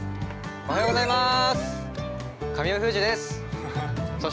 ◆おはようございます。